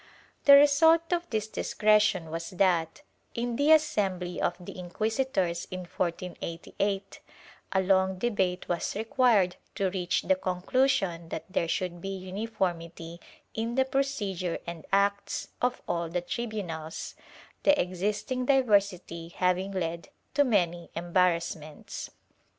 ^ The result of this discretion was that, in the assembly of the inquisitors in 1488, a long debate was required to reach the conclusion that there should be uniformity in the procedure and acts of all the tribunals, the existing diversity having led to many embarrassments.